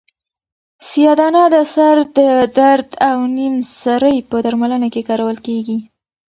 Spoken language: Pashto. سیاه دانه د سر د درد او نیم سری په درملنه کې کارول کیږي.